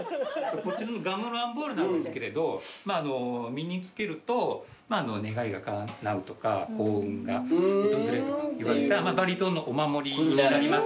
こちらのガムランボールなんですけれど身に着けると願いがかなうとか幸運が訪れるとかいわれたバリ島のお守りになります。